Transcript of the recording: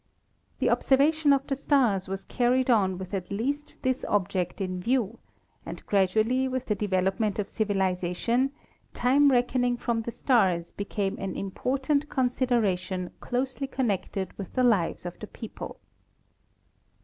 The observation of the stars was carried on with at least this object in view, and gradually with the development of civilization time reckoning from the stars became an im portant consideration closely connected with the lives of the people.